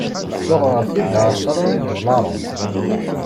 Uɣeɣ-t-id εecra idularen.